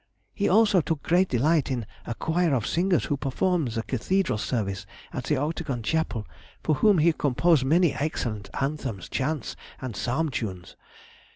He also took great delight in a choir of singers who performed the cathedral service at the Octagon Chapel, for whom he composed many excellent anthems, chants, and psalm tunes.